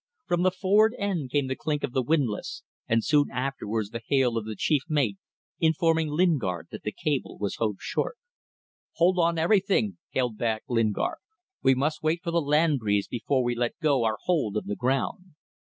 From the forward end came the clink of the windlass, and soon afterwards the hail of the chief mate informing Lingard that the cable was hove short. "Hold on everything," hailed back Lingard; "we must wait for the land breeze before we let go our hold of the ground."